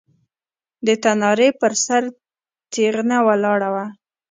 د تنارې پر سر تېغنه ولاړه وه.